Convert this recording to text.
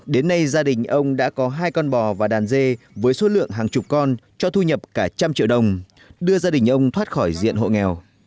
đến nay gia đình ông đã có hai con bò và đàn dê với số lượng hàng chục con cho thu nhập cả trăm triệu đồng đưa gia đình ông thoát khỏi diện hộ nghèo